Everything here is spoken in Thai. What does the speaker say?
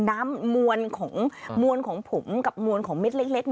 น้ำมวลของมวลของผมกับมวลของเม็ดเล็ก